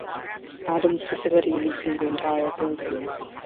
Adams facility leasing the entire building.